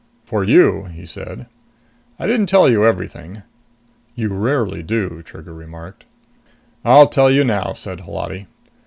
"For you," he said. "I didn't tell you everything." "You rarely do," Trigger remarked. "I'll tell you now," said Holati.